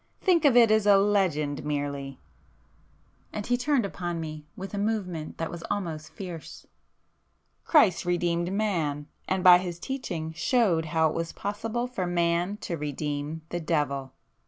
Think of it as a legend merely,"—and he turned upon me with a movement that was almost fierce—"Christ redeemed Man,—and by his teaching, showed how it was possible for Man to redeem the Devil!"